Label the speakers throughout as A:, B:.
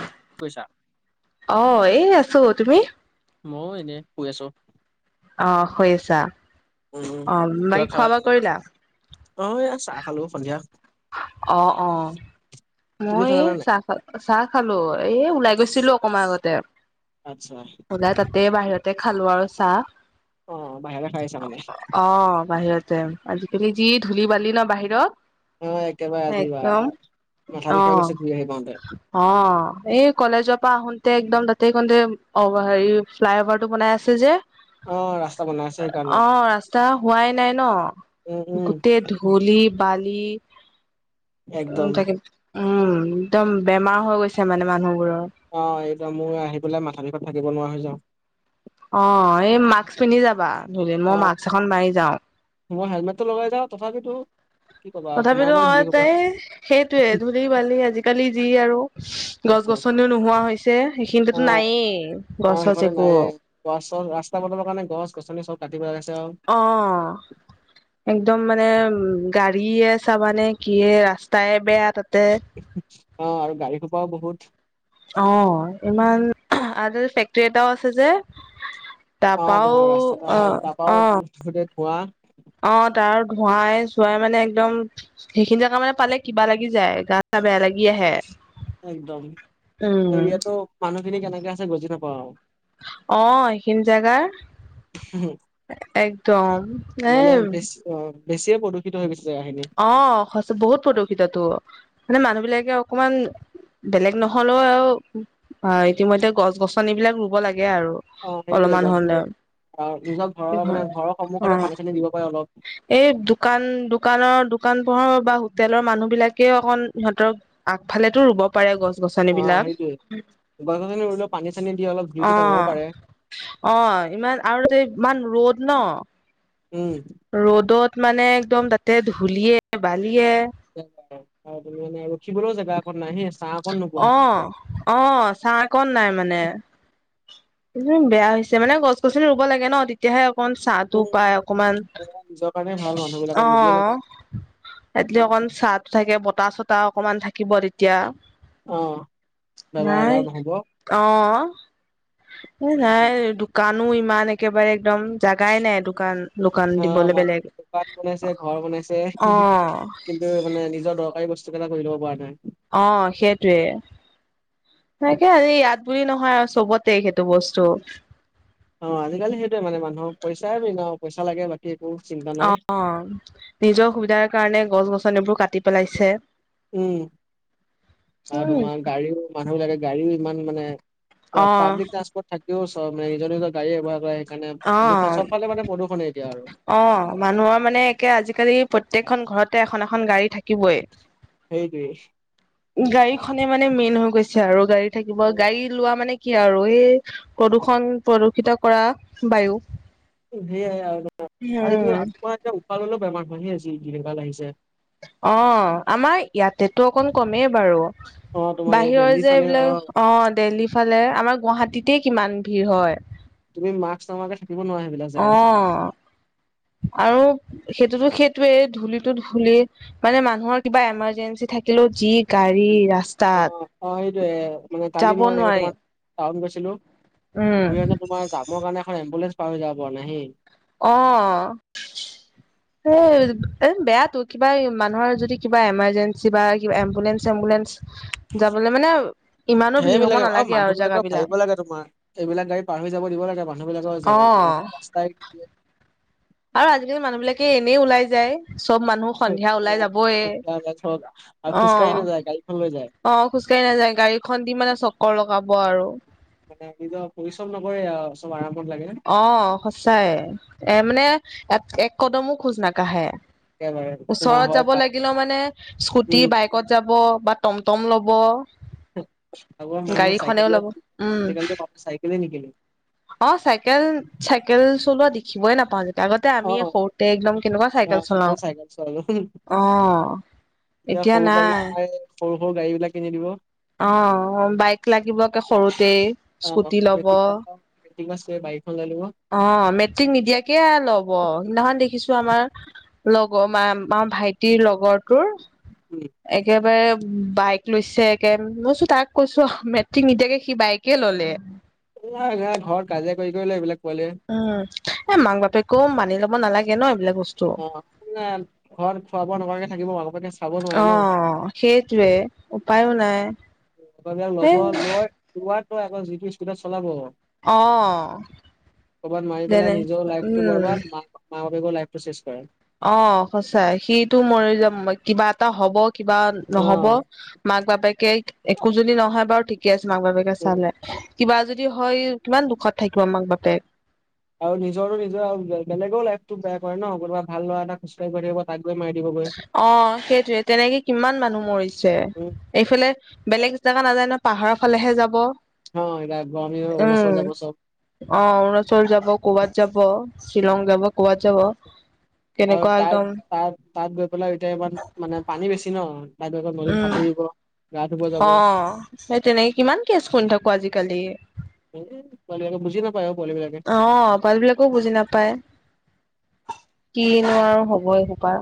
A: কি কৰিছা? [unintelligible]
B: অ! এই আছোঁ। তুমি? [unintelligible]
A: মইও এনেই শুই আছোঁ। [unintelligible]
B: অঁ! শুই আছা।
A: উম
B: অঁ! বাকী খোৱা-বোৱা কৰিলা? [unintelligible]
A: অঁ! এইয়া চাহ খালো সন্ধিয়া। [unintelligible]
B: অঁ-অঁ! [unintelligible]
A: তুমি
B: মই এই
A: খালানে নাই?
B: চাহ খা চাহ খালো এই ওলাই গৈছিলোঁ অকণমান আগতে। [unintelligible]
A: আচ্ছা! [unintelligible]
B: ওলাই তাতে বাহিৰতে খালোঁ আৰু
A: অ বাহিৰতে খাই আহিছা
B: চাহ।
A: মানে
B: অঁ! বাহিৰতে [unintelligible] [unintelligible] আজিকালি যি ধূলি-বালি ন বাহিৰত?
A: অহ একেবাৰে আজি বা
B: একদম
A: মাথা বিষাই গৈছে ঘূৰি আহি পাওঁতে। [unintelligible]
B: অঁ! এই কলেজৰ পৰা আহোঁতে একদম তাতেই কতে অ হেৰি ফ্লাই অভাৰটো বনাই আছে যে। [unintelligible]
A: অ ৰাস্তা বনাই আছে
B: [unintelligible]
A: সেইকাৰণে
B: অঁ! ৰাস্তা হোৱাই নাই ন
A: উম উম
B: গোটেই ধূলি, বালি [unintelligible] উম
A: একদম
B: তাকে, উম একদম বেমাৰ হৈ গৈছে মানে মানুহবোৰৰ। [unintelligible]
A: অঁ! এইটো মোৰ আহি পেলাই মাথা বিষত থাকিব নোৱাৰা হৈ যাওঁ। [unintelligible]
B: অঁ! এই মাক্স পিন্ধি যাবা ধূলিত।
A: অ
B: মই মাক্স এখন মাৰি যাওঁ। [unintelligible]
A: মই হেলমেটটো লগাই যাওঁ তথাপিতো [unintelligible] ক'বা
B: তথাপিতো
A: সোমাবই
B: অঁ
A: ধূলি সোপা
B: [unintelligible] সেইটোৱেই ধূলি-বালি আজিকালি যি আৰু। [inaudible] গছ
A: একদম
B: গছনিও নোহোৱা হৈছে
A: অ
B: সেইখিনিততো নায়েই
A: অ
B: গছ চছ
A: সেইফালে
B: একো।
A: নায়ে গছ চছ ৰাস্তা বনাবৰ কাৰণে গছ গছনি চব কাটি পেলাইছে আও।
B: অঁ। একদম মানে উ গাড়ীয়ে চাবানে কিয়ে ৰাস্তাই বেয়া তাতে।
A: অ আৰু গাড়ীটো পাও বহুত
B: অঁ ইমান আ তাতে ফেক্টৰী এটাও আছে যে। তাৰপাও অঁ অঁ।
A: কোৱা [inaudible]
B: অ তাৰ ধোৱাই চোৱাই মানে একদম সেইখিনি জেগা মানে পালে কিবা লাগি যায় গা চা বেয়া লাগি আহে।
A: একদম
B: উম
A: এৰিয়াতো মানুহখিনি কেনেকে আছে বুজি নেপাওঁ আও।
B: অঁ সেইখিনি জাগাৰ একদম। এ
A: মানে বেছ অ বেছিয়ে প্ৰদূষিত হৈ গৈছে আও সেইখিনি।
B: অ সচ বহুত প্ৰদূষিততো মানে মানুহ বিলাকে অকমান বেলেগ নহলেও আৰু অ ইতিমধ্যে গছ গছনি বিলাক ৰুব লাগে আৰু।
A: অ সেইটোৱে,
B: অলপমান
A: গছ
B: হলেও
A: ৰুব অ নিজৰ ঘৰৰ মানে ঘৰৰ
B: অ
A: সন্মুখতে পানী চানী দিব পাৰে অলপ।
B: এই দোকান দোকানৰ দোকান পোহৰ বা হোটেলৰ মানুহ বিলাকে অকন সিহঁতৰ আগফালেতো ৰুব পাৰে গছ গছনি
A: অ
B: বিলাক
A: সেইটোয়ে
B: অহ।
A: গছ গছনি ৰুলেও পানী চানী দি অলপ ভিউটো কমাব পাৰে
B: অঁ ইমান আৰু তাতে ইমান ৰ'দ ন?
A: উম
B: ৰ'দত মানে একদম তাতে ধুলিয়ে বালিয়ে
A: [inaudible] ৰখিবলৈও জেগা অকন নাই সেই ছাঁ
B: অঁ অঁ ছাঁ অকণ নাই মানে। ইমান বেয়া হৈছে মানে গছ গছনি ৰুব লাগে ন, তে তেতিয়াহে অকন ছাঁটো
A: উম
B: পায় অকমান
A: নিজৰ কাৰণে ভাল মানুহ বিলাকে বুজিয়ে
B: অঁ।
A: নাপায়
B: এটলি অকন ছাঁটো থাকে বতাহ চতাহ অকমান থাকিব তেতিয়া।
A: অ বেমাৰ
B: নাই
A: আজাৰ নহব অ
B: অঁ। এ নাই দোকানো ইমান একেবাৰে একদম জাগাই নাই দোকান। দোকান
A: অ
B: দিবলৈ
A: মানুহ
B: বেলেগ
A: দোকান বনাইছে ঘৰ বনাইছে
B: অ
A: কিন্তু মানে নিজৰ দৰকাৰী বস্তু কেইটা কৰি ল'ব পৰা নাই।
B: অঁ সেইটোৱে। তাকে আজি ইয়াত বুলি নহয় আৰু চবতেই সেইটো বস্তু।
A: অ আজিকালি সেইটোৱে মানে মানুহক পইচাই মেইন আও পইচা লাগে বাকী একো চিন্তা নাই।
B: অঁ নিজৰ সুবিধাৰ কাৰণে গছ গছনিবোৰ কাটি পেলাইছে।
A: উম আৰু তোমাৰ গাড়ীও মানুহ বিলাকে গাড়ীও ইমান মানে প্ৰা
B: অ
A: পাব্লিক ট্ৰান্সপৰ্ট থাকিও চব এই নিজৰ নিজৰ গাড়ী ব্যৱহাৰ কৰে। কানে
B: অ
A: চবফালে মানে প্ৰদূষণে এতিয়া আৰু।
B: অ মানুহৰ মানে একে আজিকালি প্ৰত্যেকখন ঘৰতে এখন এখন গাড়ী থাকে। কিবই,
A: সেইটোৱে
B: গাড়ীখনে মানে মেইন হৈ গৈছে আৰু গাড়ী থাকিব গাড়ী লোৱা মানে কি আৰু এই প্ৰদূ্ষণ প্ৰদূষিত কৰা বায়ু।
A: সেয়াই আৰু এইটো
B: উম
A: তোমাৰ এতিয়া উশাহ ললেও বেমাৰ হয় হে আজি কালি, যিহে দিন কাল আহিছে।
B: অঁ আমাৰ ইয়াতেতো অকন কমেই বাৰু।
A: অ তোমাৰ এই
B: বাহিৰৰ
A: দেল্হি
B: যে
A: ফালে
B: এইবিলাক অ দেল্হি ইফালে আমাৰ গুৱাহাটীতে কিমান ভিৰ হয়।
A: তুমি মাস্ক নামাৰাকে থাকিব নোৱাৰা। সেইবিলাক জেগাত।
B: অঁ আৰু সেইটোতো সেইটোৱেই ধূলিটো ধূলি মানে মানুহৰ কিবা এমাৰ্জেঞ্চি থাকিলেও যি গাড়ী ৰাস্তা।
A: অঁ অ' সেইটোয়ে মানে কালি মই এনেকে
B: নোৱাৰি
A: তোমাৰ টাউন গৈছিলো
B: উম
A: ঘূৰি আহোঁতে তোমাৰ যামৰ কাৰণে এখন এম্বুলেন্ঞ্চ পৰা হৈ যাব পৰা নাই সেই
B: অঁহহ'। এ এ বেয়াটো কিবা মানুহৰ যদি কিবা এমাৰ্জেঞ্চি বা কিবা এম্বুলেন্ঞ্চ এম্বুলেন্ঞ্চ যাবলৈ মানে ইমানো ভিৰ হ'ব
A: সেইবিলাকে
B: নালাগে
A: মানুহ
B: আৰু জাগা
A: বিলাকক ভাবিব
B: বিলাক।
A: লাগে তোমাৰ। এইবিলাক গাড়ী পাৰ হৈ যাব দিব লাগে মানুহ বিলাকৰ জ ৰাস্তাই
B: আৰু আজিকালি মানুহ বিলাকে এনেই ওলাই যায়। চব মানুহ সন্ধিয়া ওলাই যাবয়ে,
A: সন্ধিয়া ধৰক আৰু খোজকাঢ়ি
B: অঁহহ'।
A: নাযায় গাড়ীখন লৈ যায়।
B: অ' খোজ কাঢ়ি নাযায় গাড়ীখন দি মানে চকৰ লগাব আৰু।
A: মানে নিজৰ পৰিশ্ৰম নকৰে আৰু চব আৰামত লাগে।
B: অঁ সঁচাই এ মানে এক কদমো খোজ নাকাঢ়ে।
A: একেবাৰে তোমাৰ
B: ওচৰত
A: হয়
B: যাব
A: বাইক
B: লাগিলেও মানে স্কুটি
A: উম।
B: বাইক ত যাব বা টমটম ল'ব।
A: আগৰ মানুহ
B: গাড়ীখনেও
A: চাইকেল লৈ
B: ল'ব
A: ঘূৰিছিলে, আজিকালিটো মানুহে চাইকেলে নিকিনে।
B: অঁ চাইকেল চাইকেল চলোৱা দেখিবই নাপাওঁ যে আগতে
A: অ
B: আমি সৰুতে একদম কেনেকুৱা
A: অ
B: চাইকেল চলাও,
A: কিমান চাইকেল চলালো
B: অঁ।
A: এতিয়া সৰু পোৱালি বোৰক সৰু সৰু গাড়ী বিলাক কিনি দিব।
B: অঁ বাইক লাগিব সৰুতেই স্কুটি ল'ব।
A: [unintelligible] আছে বাইখন লৈ ল'ব।
B: অঁ মেট্ৰিক নিদিয়াকে ল'ব সেইদিনাখন দেখিছো আমাৰ লগৰ আমাৰ ভাইটিৰ লগৰটোৰ
A: উম।
B: একেবাৰে বাইক লৈছে একে মই কৈছো তাক কৈছো মেট্ৰিক নিদিয়াকে সি বাইকে ললে।
A: এই ঘৰত কাজিয়া কৰি কৰি এইবিলাক পোৱালিয়ে।
B: উম এ মাক বাপেকো মানি ল'ব নালাগে ন এইবিলাক বস্তু।
A: অ ঘৰত খোৱা বোৱা নকৰাকে থাকিব মাক বাপেকে চাব নোৱাৰে
B: অ
A: ন।
B: সেইটোৱে উপায়ো নাই। এ
A: ল'ব লৈ লোৱাত আকৌ যিটো স্পীডত চলাব।
B: অ
A: কবাত মাৰি
B: যেনে
A: পেলাই নিজৰ লাইফটো
B: উম
A: বৰবাদ মা মাক বাপেকৰোঁ লাইফটো চেছ কৰে।
B: অঁ সঁচাই সিটো মৰি যাব কিবা এটা হব কিবা
A: অ
B: নহব মাক বাপেকে একো যদি নহয় বাৰু ঠিকে আছে মাক বাপেকে
A: উম,
B: চালে কিবা যদি হয় কিমান দুখত থাকিব মাক বাপেক।
A: আৰু নিজৰো নিজৰ বেলেগেও লাইফটো বেয়া কৰে ন কোনোবা ভাল লৰা এটা ক আহি থাকিব তাক গৈ মাৰি দিব বুলি।
B: অঁ সেইটোয়ে তেনেকে কিমান মানুহ মৰিছে।
A: উম
B: এইফালে বেলেগ জাগা নাযায় নহয় পাহাৰৰ ফালেহে যাব।
A: অঁ এইবাৰ গৰম দিনত অৰুণাচল যাব চব।
B: অঁ অৰুণাচল যাব ক'বাত যাব শ্বিলং যাব ক'বাত যাব।
A: আৰু
B: তেনেকুৱা
A: তাত
B: একদম
A: তাত তাত গৈ পেলাই এতিয়া ইমান মানে পানী বেছি ন, তাত গৈ ত' নদীত
B: উম
A: সাঁতুৰিব। গা ধুব যাব
B: অ স তেনেকে কিমান কেচ শুনি থাকো আজিকালি।
A: এ পোৱালি বিলাকে বুজি নাপায় পোৱালিবিলাকে।
B: অ পোৱালি বিলাকো বুজি নাপায় কিনো আৰু হব এই সোপাৰ।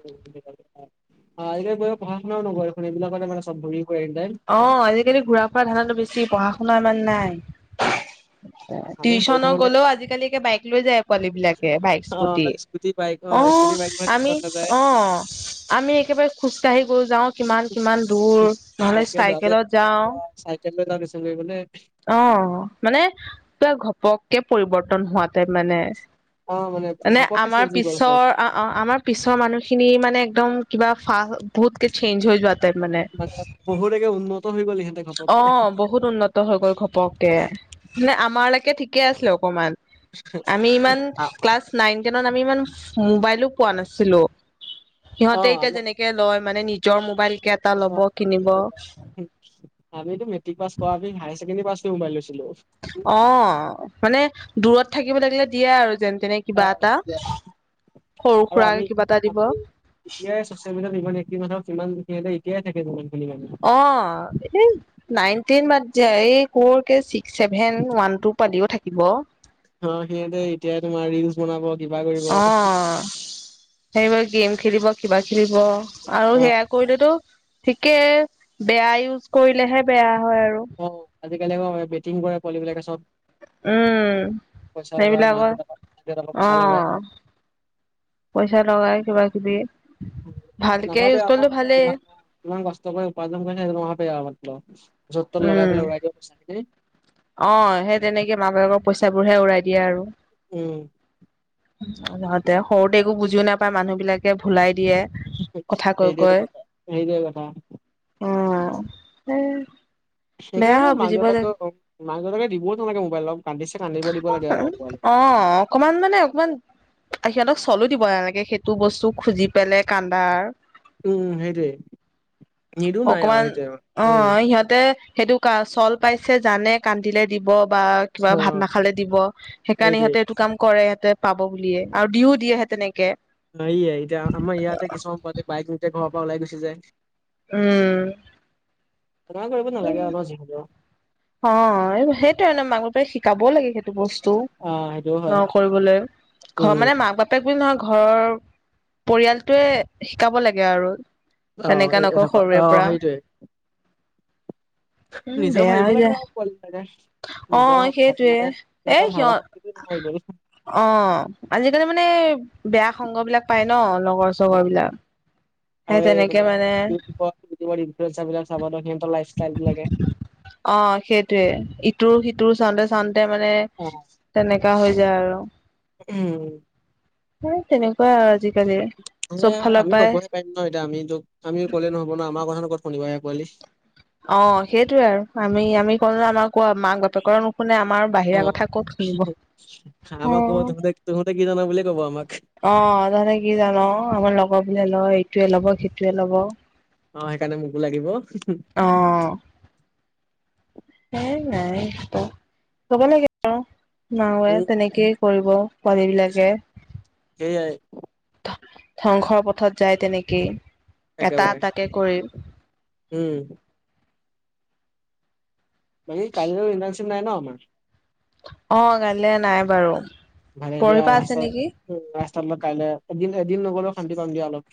A: এই বিলাক কৰি পঢ়া শুনাও নকৰে এইবিলাকতে মানে চব ভৰি পৰে একদম।
B: অ আজিকালি ঘুৰা- ফুৰা পৰা ধাণ্ডাটো বেছি পঢ়া - শুনা ইমান নাই।
A: আমি সৰু
B: টিউশন
A: থাকোতে
B: গলেও আজিকালি বাইক লৈ যায় পোৱালী বিলাকে বাইক স্কুটি।
A: অ' বাইক অ'
B: আহ
A: স্কুটি বাইক লৈ
B: আমি
A: টিউচন নাযায়।
B: আহ। আমি একেবাৰে খোজ কাঢ়ি গৈ যাওঁ কিমান কিমান দূৰ। নহ'লে
A: তাকে তাকে
B: চাইকেলত যাওঁ
A: চাইকেল লয় যাওঁ টিউচন কৰিবলে।
B: অ মানে তই ঘপককে পৰিৱৰ্তন হোৱাতে মানে।
A: অ'
B: মানে
A: ঘপককে
B: আমাৰ
A: চেঞ্জ হৈ গ'ল চব।
B: পিছৰ অ অ আমাৰ পিছৰ মানুহখিনি মানে একদম কিবা ফা বহুতকে চেঞ্জ হৈ যোৱাত।
A: মানে বহুতকে উন্নত হৈ গল ইহঁতে।
B: অ
A: ঘপককে।
B: বহুত উন্নত হৈ গল ঘপকে মানে আমাৰ লৈকে ঠিকে আছিলে অকমান। আমি ইমান
A: অ'
B: ক্লাছ নাইন টেনত আমি ইমান মোবাইলো পোৱা নাছিলো। সিহঁতে এতিয়া যেনেকে লয় মানে নিজৰ মোবাইল এটাকে ল'ব কিনিব।
A: আমিতো মেট্ৰিক পাছ কৰা আমি হায়াৰ ছেকেণ্ডেী পাছ কৰি মোবাইল লৈছিলো।
B: অ মানে দূৰত থাকিব লাগিলে দিয়ে আৰু যেন তেনেকে। কিবা এটা
A: অ'
B: সৰু
A: আৰু আমি
B: সুৰাকে কিবা এটা দিব।
A: [inaudible]
B: অ এই নাইনটিন মাত [inaudible] ছেভেন ওৱান টু পালিও থাকিব।
A: অ সিহঁতে এতিয়াই তোমাৰ ৰিলচ বনাব কিবা কৰিব।
B: অ সেইবোৰ গেম খেলিব কিবা খেলিব আৰু সেয়াই। কৰিলেতো ঠিকে বেয়া ইউজ কৰিলেহে বেয়া হয় আৰু।
A: অ আজিকালি অ বেটিং কৰে পোৱালি বিলাকে চব।
B: উম
A: পইচা লগা মাক
B: সেইবিলাকৰ
A: দেউতাকক মাক দেউতাকক
B: অ।
A: পইচা লগাই
B: পইচা লগাই কিবা কিবি ভালকে
A: নাভাবে
B: ইউজ
A: আৰু ন
B: কৰিলে ভালেই।
A: কিমান কিমান কষ্ট কৰি উপাৰ্জন কৰি [inaudible]
B: উম অ সেই তেনেকে মা বাপেকৰ পইচাবোৰহে উৰাই দিয়ে আৰু।
A: উম।
B: সিহঁতে সৰুতে একো বুজিও নাপায় মানুহ বিলাকে ভুলাই দিয়ে। কথা কৈ
A: সেইটোৱেইত কথা সেইটোৱেই কথা।
B: অ‌ সেই।
A: সেইকাৰণে মাক দেউতাকে মাক দেউতাক দিবও নালাগে মোবাইল কান্দিছে কান্দিব। দিব লাগে আৰু পোৱালি
B: অ অকমান মানে অকমান সিহঁতক চলো দিব নালাগে সেইটো বস্তু খুজি পেলাই কান্দাৰ।
A: উম সেইটোৱে নিদো নাই আৰু
B: অকমান
A: সেইটোৱে
B: অ
A: উম
B: সিহঁতে সেইটো কা চল পাইছে জানে। কান্দিলে দিব বা কিবা ভাত
A: অ',
B: নাখালে দিব সেইকাৰণে
A: সেইটোৱে
B: সিহঁতে এইটো কাম কৰে সিহঁতে পাব বুলিয়ে আৰু দিও দিয়ে সেই তেনেকে।
A: অ ইয়া এতিয়া আমাৰ ইয়াতে কিছুমান বাইক লয় মুঠতে ঘৰৰ পৰা ওলাই গুচি যায়।
B: উম।
A: ক্ষমা কৰিব নালাগে আৰু ন যিহেতু।
B: অ এই সেইটোয়ে ন মাংল পৰা শিকাবও লাগে সেইটো বস্তু।
A: অ', সেইটোও হয়
B: অঁ, কৰিবলে ঘৰৰ
A: উম,
B: মানে মাক-বাপে বাপেক যি নহওঁক ঘৰৰ পৰিয়ালটোৱে শিকাব লাগে আৰু।
A: অ',
B: তেনেকা
A: এ
B: নকওঁ
A: এনেকুৱা
B: সৰুৰে
A: অ',
B: পৰা।
A: সেইটোৱে।
B: উম
A: নিজ
B: বেয়া
A: ভাবিব
B: হৈ
A: লাগে
B: যায়
A: আও।
B: অ সেইটোৱে এ সিহঁত
A: [unintelligible]
B: অ', আজিকালি মানে বেয়া সংগ বিলাক পায় ন,
A: অ',
B: লগৰ-চগৰ বিলাক। সেই
A: আৰু এই
B: তেনেকে
A: মানে ইউটিউব, ইউটিউবৰ ইনফ্লোয়েন্সাৰ চাবা ত সিহঁতৰ লাইফ-ষ্টাইল বিলাকে।
B: অ সেইটোয়ে ইটোৰ-সিটোৰ চাওঁতে চাওঁতে মানে
A: অ',
B: তেনেকা হৈ যায় আৰু,
A: উম,
B: তেনেকুৱাই আৰু সেই যি [unintelligible]
A: এ
B: চব ফালৰ পাই
A: [unintelligible] আমি ক'লে নহ'ব ন আমাৰ কথানো কত শুনিব সেই [unintelligible]
B: অ', সেইটোয়ে আৰু। আমি-আমি কলো যে আমাক কোৱা, মাক-বাপেকৰ নুশুনে, আমাৰ বাহিৰা
A: অ'।
B: কথা ক'ত শুনিব?
A: আমাক ক'ব তহঁতে তহঁতে কি জান বুলিয়ে ক'ব আমাক?
B: অ', তহঁতে কি জান? আমাৰ লগৰ বোৰে লয়, ইটোৱে ল'ব, সিটোৱে লব।
A: অ' সেইকাৰণে মোকো লাগিব।
B: অ সেই নাই কব লাগে,
A: উম।
B: [unintelligible] তেনেকে কৰিব পোৱালিবিলাকে।
A: সেইয়াই
B: ধ্বংসৰ পথত যায় তেনেকেই, এটা
A: একেবাৰে
B: এটাকে কৰি।
A: উম। বাকী কাইলৈ ইণ্টাৰ্নশ্বিপ নাই ন আমাৰ?
B: অ' কাইলে নাই বাৰু,
A: ভালে দিয়া
B: পৰহি পৰা
A: ৰাস্তা
B: আছে নেকি।
A: [unintelligible] এদিন এদিন নগলেও শান্তি পাম দিয়া আলপ।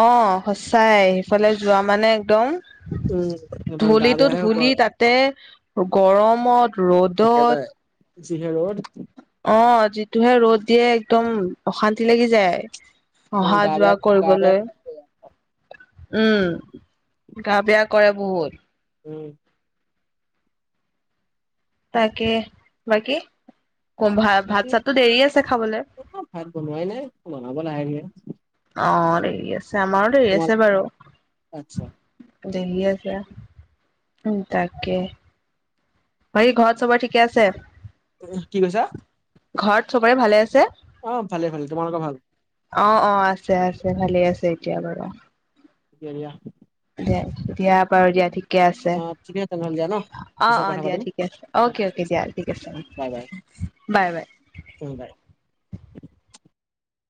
B: অ', সচাই সেইফালে যোৱা মানে একদম
A: উম আমাৰ গা বেয়াহে হ'ব
B: ধূলিটো-ধূলি
A: আৰু
B: তাতে গৰমত, ৰ'দত
A: একেবাৰে যিহে ৰ'দ
B: অ', যিটোহে ৰ'দ দিয়ে একদম অশান্তি লাগি যায়।
A: আমাৰ গা
B: অহা-যোৱা
A: বেয়া গা বেয়া
B: কৰিবলৈ।
A: কৰি দিব
B: উম, গা-বেয়া কৰে বহুত।
A: উম।
B: তাকে বাকী, ভা
A: বাকী
B: ভাত-চাতটো দেৰি আছে খাবলে?
A: অ' ভাত বনোৱাই নাই, বনাব লাহে-ধীৰে।
B: অ' দেৰি আছে, আমাৰো দেৰি আছে বাৰু।
A: আচ্ছা
B: দেৰি আছে, উম' তাকে। বাকী ঘৰত চবৰে ঠিকে আছে?
A: কি কৈছা?
B: ঘৰত চবৰে ভালে আছে?
A: অ' ভালে ভালে, তোমালোকৰ ভাল?
B: অ' অ', আছে আছে, ভালে আছে এতিয়া বাৰু।
A: কেৰিয়া
B: এতিয়া বাৰু, দিয়া ঠিকে আছে।
A: অ ঠিকে তেনেহ'লে দিয়া ন
B: অ'
A: পিছত
B: অ',
A: কথা
B: দিয়া
A: পাতিম
B: ঠিকে আছে।
A: উম,
B: অকে
A: ঠিক
B: অকে,
A: আছে
B: দিয়া। ঠিক আছে,
A: বাই বাই
B: বাই বাই!
A: উম' বাই!